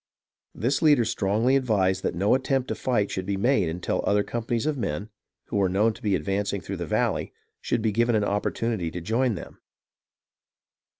This leader strongly advised that no attempt to fight should be made until other companies of men, who were known to be advancing through the valley, should be given an opportunity to join him.